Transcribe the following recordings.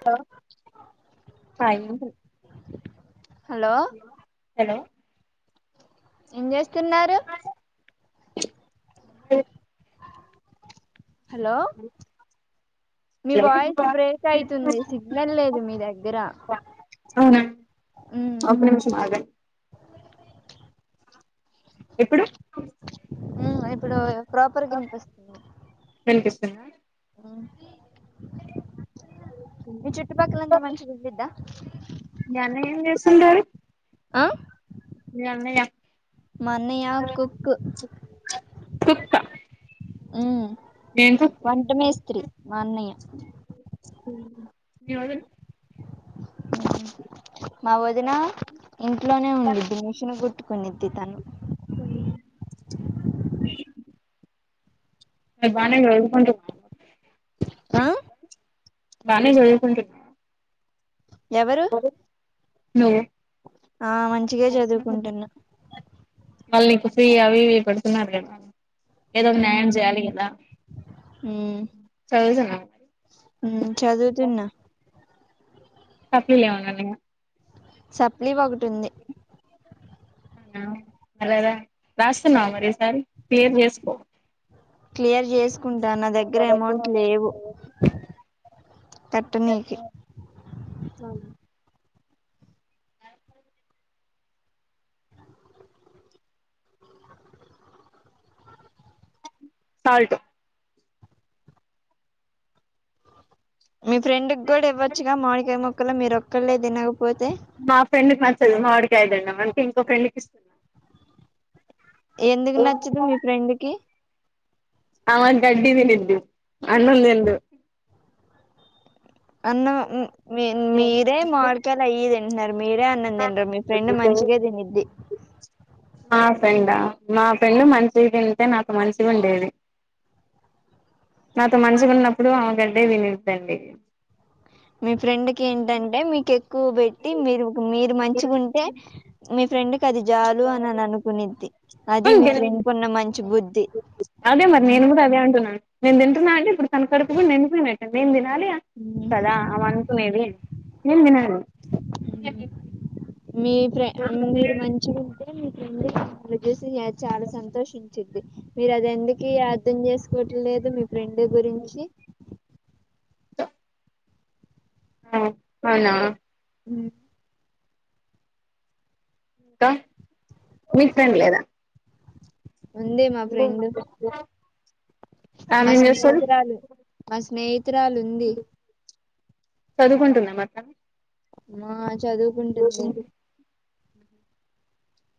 హాలూ fine hello hello ఏం చేస్తున్నారు అ హలో మీ వాయిస్ బ్రేక్ అయితుంది సిగ్నల్ లేదు మీ దగ్గర అవున ఉమ్ నా అధేయ్ ఇప్పుడు ఉమ్ ఇప్పుడు ప్రాపర్ కినిపిస్తుంది వినిపిస్తుందా మీ చుట్టుపక్కలంతా మంచిషళ్ళద్దా మీ అన్నా ఎమ్ చెస్టుంటారు ఆ మీ అన్నయ్య మాన్నయా కుక్ కూక్ ఉమ్ వంటమే స్స్తత్రీ మాన్నయ్య ఈ రోజులు మా వదిన ఇంట్లోనే ఉండిద్ది మిషను కుట్టుకునిద్ది తను అ మీకు భనే జరుగుతుంధి ఆ భనే జరుగుతుంధి ఎవరు నో ఆ మంచిగా చదువుకుంటున్నా వాళ్ళు నీకు ఫ్రీ అవి ఇవి పెడుతున్నారు కదా ఏదో ఒక న్యాయం చేయాలి కదా ఉ చదువుతున్నావా ఉమ్ చదువుతున్నా సప్లిలీమన్నా ఉన్నాయ సప్లీ ఒకటి ఉంది అలదా రాస్తున్నావు మరి సారి క్లియర్ చేసుకో క్లియర్ చేసుకుంటా నా దగ్గర అమౌంట్ లేవు [unintelligible] కట్టనీకి అ సల్ మీ ఫ్రెండ్ కూడా ఇవ్వచ్చుగా మాడికయ ముక్కలో మీరు ఒక్కళ్లే తినకపోతే మా ఫ్రెండ్కి మా చల్ మాడికి అదన్న మనకి ఇంకో ఫ్రెండ్కి ఇస్తున్నా ఎందుకు నచ్చదు మీ ఫ్రెండ్కిి ఆ గడ్డి దనిద్ది అన్నంతిందు అన్నం మీరే మామిడికాయలు అయ్యియిదింటున్నారు మీరే అన్నం తినరు మీ ఫ్రెండ్ మంచిగే తినిద్ది మా ఫెండా మా ఫ్రెండు మంచిగ తింటే నాకు మంచిగా ఉండేది నాతో మంచిగా ఉన్నప్పుడు ఆమెగడ్డే తినిద్దండి మీ ఫ్రెండ్ కి ఏంటంటే మీకు ఎక్కువ పెట్టి మీరు మీరు మంచుగుంటే మీ ఫ్రెండ్ క అది చాలు అని అని అనుకునిద్ది అది మీ ఫ్రెండ్ కున్న మంచి బుద్ధి అదే మరి నేను కూడా అదే అంటున్నాను నేను తింటున్నా అంటే ఇప్పుడు తన కడుపు కూడా నిండిపోయినట్టె నేను తినాలి కదా ఉమ్ అవ అనుకునేది నేన్ తినేది మీ ఫ్రె మీరు మంచిగా ఉంటే మీకు చేసి చాలా సంతోషించ చ్చిద్ది మీర అది ఎందుకి అర్థం చేసుకోవట్లేదు మీ ఫ్రెండ్ గురించి ఆ అవునా అ కా మీకు ఫ్రెండ్ లేదా ఉంది మా ఫ్రెండ్ ఆమె మా ఏం చేస్తది స్నేహితురాలు మా స్నేహితురాలుంది చదువుకుంటుందమాట ఆ చదువుకుంటుంది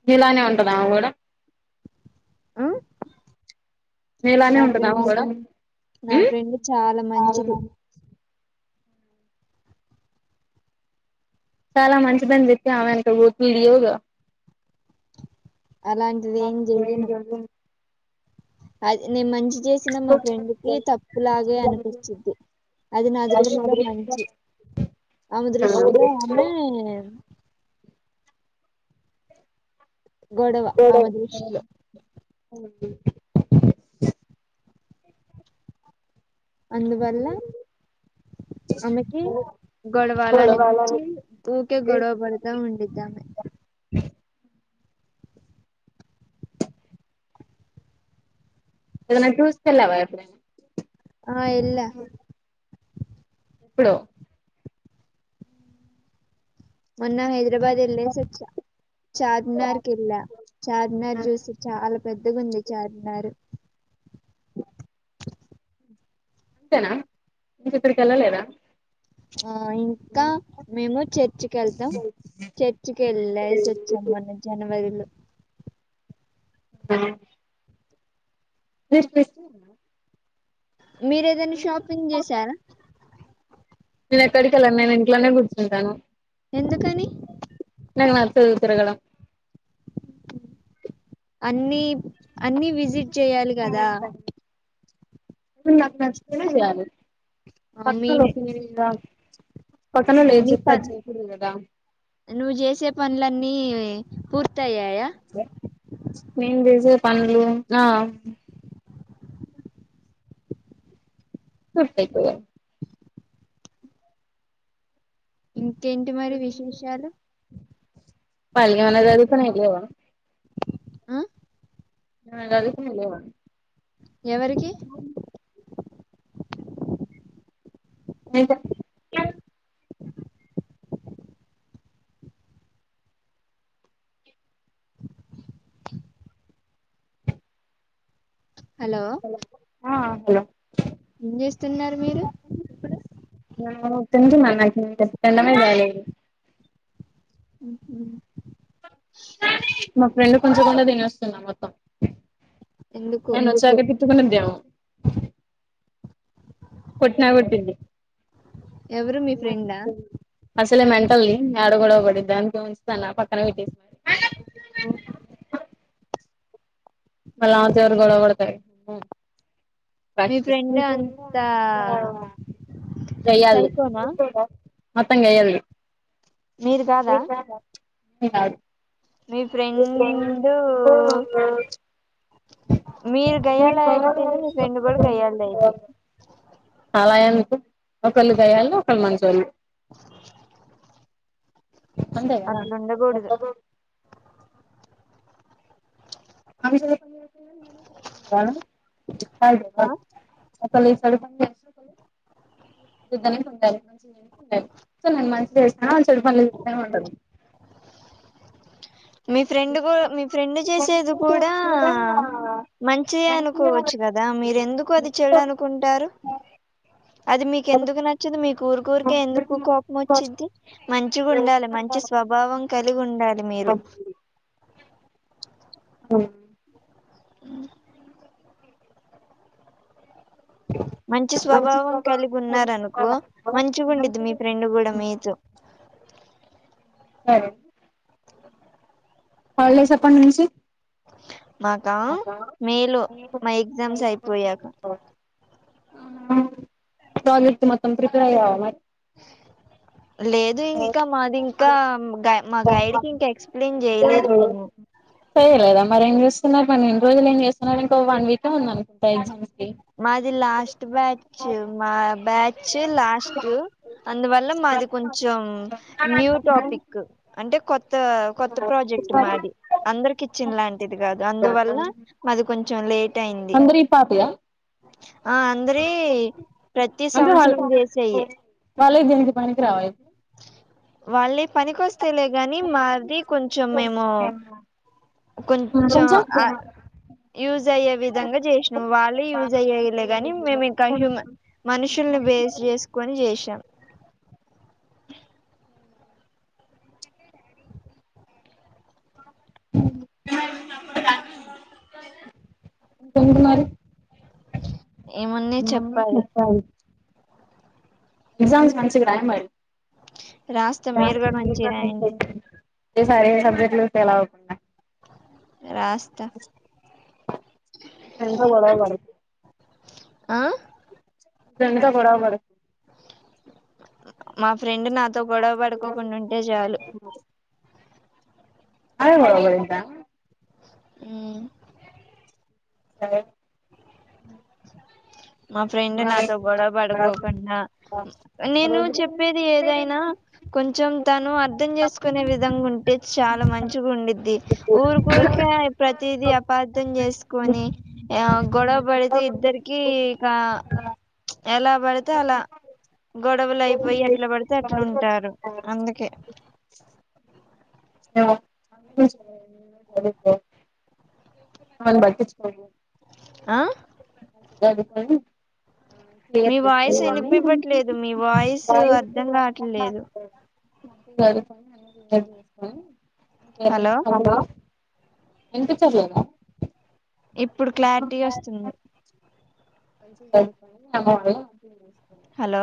నిలానే ఉంటదా ఆమెగూడ ఆ నా ఉమ్ ఫ్రెండ్ నా ఫ్రెండ్ చాలా మంచిది అవును చాలా మంచిదని చెప్పా ఆమెనుక [unintelligible] యోగా అలాంటిది ఏం చెయ్యను [unintelligible] అది నేను మంచి చేసిన మా ఫ్రెండ్కిి తప్పు లాగే అనిపిచ్చిద్ది అది నా దృష్టిలో మంచి ఆమె దృష్టిలో ఆమె గొడవ ఆమె దృష్టి లో అవు అందువల్ల ఆమెకి పోవడం గొడవాలనిపించి ఊకే గొడవ పడతా ఉండిద్దామే అ ఎమన్నా చూస్తున్నావా ఎప్పుడైనా ఆ ఎల్ల ఎప్పుడుో మొన్న హైదరాబాద్ ఎల్లేసి అచ్చ చార్మినార్ కెల్లా చార్మినార్ చూసి చాలా పెద్దగాంది చార్మినారు అంతేనా ఇంకా ఎక్కడికి వెళ్ళాలదా ఆ ఇంకా మేము చర్చికి వెళ్తాం చర్చ్కి ఎళ్ళసొచ్చం మొన్న జనవరిలో అ మీరు క్రిస్టియన్ ఆ మీరు ఏదైనా షాపింగ్ చేశారా ఇంట్లనే కూర్చుంటన్నా. ఎందుకని నాకు నచ్చదు తిరగడం. అన్ని అన్ని విజిట్ చేయాలి కదా. హ్మ్ నాకు నచ్చుతనే చేయాలి ఆ, మీ పక్కనోల్ల ఓపినియన్ మీద పక్కనోళ్ళు ఏది నీ చెప్తే ప అది చేయకూడదు కదా నువ్వు చేసే పనులన్నీ పూర్తి అయ్యాయా. నేను చేసే పనులు ఆ పూర్తయిపోయాయి. ఇంకేంటి మరి విశేషాలు? పళ్గగములా జరుగుతన్నయి లేవా. ఆ నాయి చదువుకున్నయి లేవా. ఎవరి అవును మీ [inaudible] హలో ఆ హలో ఏం చేస్తున్నరు మీరు ఇప్పుడు. ఆ తింటున్నా నేను ఇంకా తినడమే కాలేదు. ఉహు. మా ఫ్రెండ్ కు ఉంచకుండా తినేస్తున్నా మొత్తం. ఎందుకు నేను వచ్చకా తిట్టుకునిద్దేమో. కొట్టినా కొట్టిద్ది. ఎవరు మీ ఫ్రెండా? అసలే మెంటల్ది యాడ గొడవబడిద్దా అని ఇగా ఉంచుతనా పక్కన పెట్టేసి మళ్ళా ఆమోతో ఎవరు గొడవపడతరు హ్ మీ ఫ్రెండ్ రాక్షసి అంత గయ్యాల్ది. సైకోనా మొత్తం గయ్యాల్ మీరు కాదా మేము కాదు. మీ మీఫ్రెండ్ ఫ్రెండు [inaudible] మీరు మీ [inaudible] గయ్యాళి అయితేనే మీ ఫ్రెండ్ కూడా గయ్యాళి అయిద్ది అలా ఎందుకు ఒకొళ్ళు గయ్యాలు, ఒకళ్ళు మంచోళ్ళు. అంతే కదా అట్లుండకూడదు. ఒకళ్ళు ఆ [inaudible] ఆ అసలు [inaudible] బుద్ధనేది ఉండాలి కొంచెం అన్నా ఉండాలి. సో నేను మంచిగ చేస్తాన వాళ్ళు చెడు పనులు చేస్తనే ఉంటరు. మీ ఫ్రెండ్ కూడా మీ ఫ్రెండ్ చేసేది కూడా మంచిదే అనుకోవచ్చు కదా మీరు ఎందుకు అది చెడు అనుకుంటారు. అది మీకెందుకు నచ్చదు మీకు ఊరి ఊరికే ఎందుకు కోపం వచ్చిద్ది మంచిగా ఉండాలె మంచి స్వ భావం కలిగి ఉండాలి మీరు. ఆవునా [inaudible] మంచి స్వభావం కలిగి ఉన్నారు అనుకో మంచిగుండిద్ది మీ ఫ్రెండ్ కూడా మీతో. సరేండి. హాలిడేస్ ఎప్పటినుంచి. మాకా మేలో మా ఎగ్జామ్స్ అయిపోయాక. ఆహా ప్రాజెక్ట్ మొత్తం ప్రిపేర్ అయ్యావా మరి అది ఇంకా మాది ఇంకా గై మా గైడ్ కి ఇంకా ఎక్స్ప్లెయిన్ చేయలేదు మేము. చేయలేదా మరేం చేస్తున్నారు. మరి ఇన్ని రోజులు ఏం చేస్తున్నారు. ఇంకో వన్ వీకే ఉంది అనుకుంటా ఎగ్జామ్. మాది లాస్ట్ బ్యాచ్ మా బ్యాచ్ లాస్టు అందువల్ల మాది కొంచెం న్యూ టాపిక్ అంటే కొత్ కొ కొత్త ప్రాజెక్ట్ మాది అందరికి ఇచ్చిన్ లాంట్ ది కాదు అందువల్ల మాది కొంచెం లేట్ అయింది. అందరు ఈ పాపయా ఆ అందరివి ప్రతి సంవత్సరం చేసేయి వాళ్ళే పిలిచి పనికి రా వాళ్ళివి పనికొస్తేయ్లే గాని మాది కొంచెం మేము కొంచెం ఆ యూజ్ అయ్యే విధంగా చేసినవ్ వాళ్ళే యూజ్ అయ్యేలే గాని మేము ఇంకా హ్యూమ మనుషుల్ని బేస్ చేసుకొని చేశాం ఇంకేంటి మరి ఏమన్నా మొన్న చెప్పాలి చెప్పాడు ఎగ్జామ్స్ రాసిండ్రా మరి. రాస్తా మీరు కూడా మంచిగా రాయండి [unintelligible] ఏ సారు ఏ సబ్జెక్ట్లు తెలవకుండా రాస్త ఎంతో గొడవ పడి ఆ ఎంతో గొడవ పడి మా ఫ్రెండ్ నాతో గొడవ పడుకోకుండా ఉంటే చాలు అదే గదా ఇంక ఉమ్ సరే మా ఫ్రెండ్ నాతో గొడవపడుకోకున్నా ఆ నేను రోజు చెప్పేది ఏదైనా కొంచెం తను అర్ధం చేసుకునే విధంగా ఉంట్ టే చాలా మంచిగా ఉండిద్ది ఊరికి ఊరికే ప్రతీది అపార్ధం చేసు సుకొని ఆ గొడవ పడితే ఇద్దరికి ఇకా ఎలా పడితే అలా గొడవలు అయిపోయి ఎట్లా పడితే అట్లా ఉంటారు అందుకే [unintelligible] చదువుకొ వాళ్లను బట్టిచ్చుకోకు. ఆ జదువుకోని పేర్ మీ వాయిస్ తెస్తావని [unintelligible] వినిపివ్వట్లేదు మీ వాయిస్ అర్ధం మంచిగ కావట్లేదు చదువుకొని మంచిగ జాబ్ చేస్కొని హలో [unintelligible] వినిపిచ్చట్లేదా? ఇప్పుడు క్లారిటీగా వస్తుంది. మంచిగ చదువుకొని మీ అమ్మ వాళ్ళని మంచిగ చూస్ హలో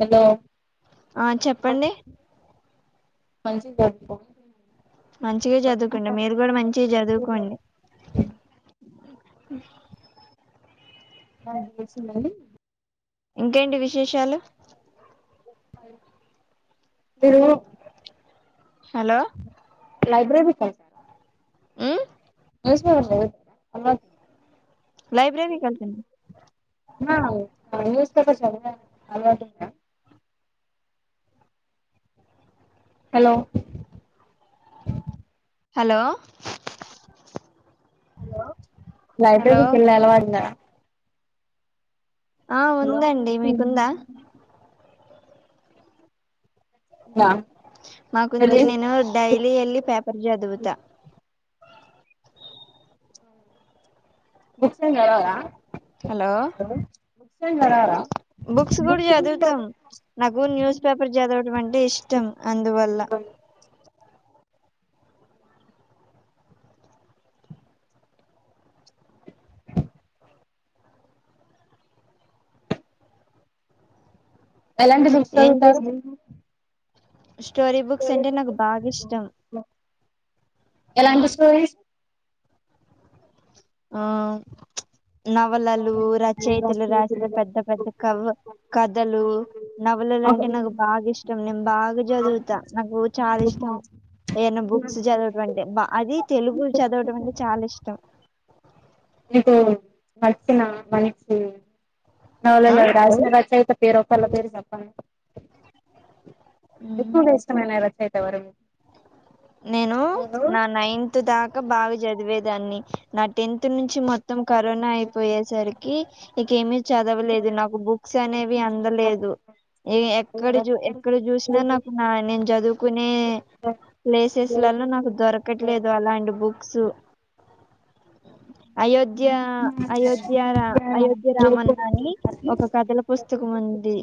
హలో ఆ చెప్పండి మంచి చదువుకొ మంచిగా చదువుకోండి మీరు కూడా మంచి చదువుకోండి. చదువుకొని ఉ ఆ వినిపిచ్చిందా అండి. ఇంకేంటి విశేషాలు? [unintelligible] హలో లైబ్రరీ కెళ్తార? మ్ న్యూస్ పేపర్లు చదువుతార అలవాట్లేద? లైబ్రరీ కి ఏళ్తునా న్యూస్ పేపర్ చదివే అలవాటు ఉందా hello hello hello library కి వెళ్లే అలవాటు ఉందా? ఆ ఉందండి మీకుందా [unintelligible] మాకుంది మరి నేను డైలీ వెళ్ళి పేపర్ చదువుతా బుక్స్ ఎం చదవరా హలో బుక్స్ ఎం చదవరా? బుక్స్ కూడా చదువుతాం నాకు న్యూస్ పేపర్ చదవడం అంటే ఇష్టం అందువల్ల ఎలాంటి బుక్స్ ఏం చదువుతారు చేస్త స్టోరీ బుక్స్ అంటే నాకు బాగ్ ఇష్టం ఎలాంటి స్టోరీస్ ఆ నవలలు రచయితలు రాసిన పెద్ద పెద్ద కవ కథలు నవలలు అంటే నాకు బాగ్ ఇష్టం నేను బాగా చదువుతా నాకు చాలా ఇష్టం ఎ అయ్ నా బుక్స్ చదవడం అంటే అది తెలుగు చదవడం అంటే చాలా ఇష్టం నీకు నచ్చిన మంచి ఆ నవలలు రాసే రచయిత పేరుొక్కళ్ళ పేరు చెప్పండి ఇపుడు ఇష్టమైన రచయిత ఎవరు నేను నా నైన్త్ దాకా బాగా చదివేదాన్ని నా టెన్త్ నుంచి మొత్తం కరోనా అయిపోయేసరికి ఇకేమిీ చదవలేదు నాకు బుక్స్ అనేవి అందలేదు ఏ ఎక్కడ చూ ఎక్కడ చూసినా నాకు నా నేను చదువుకునే ప్లేసెస్లలో నాకు దొరకట్లేదు అలాంటి బుక్స్ అ అయోధ్య అయోధ్య రామ్ అయోధ్య రామన్న అని ఒక కథల పుస్తకం ఉంది